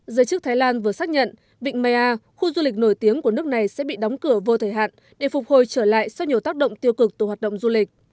giới chức thái lan vừa xác nhận vịnh maya khu du lịch nổi tiếng của nước này sẽ bị đóng cửa vô thời hạn để phục hồi trở lại sau nhiều tác động tiêu cực từ hoạt động du lịch